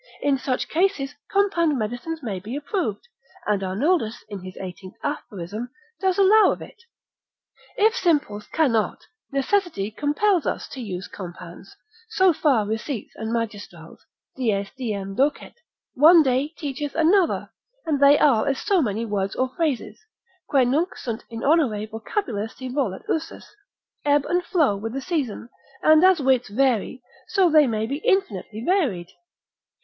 In such cases, compound medicines may be approved, and Arnoldus in his 18. aphorism, doth allow of it. If simples cannot, necessity compels us to use compounds; so for receipts and magistrals, dies diem docet, one day teacheth another, and they are as so many words or phrases, Que nunc sunt in honore vocabula si volet usus, ebb and flow with the season, and as wits vary, so they may be infinitely varied.